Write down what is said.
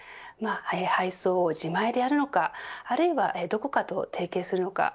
配送を自前でやるのかあるいはどこかと提携するのか。